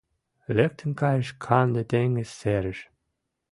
Лектын кайыш канде теҥыз серыш: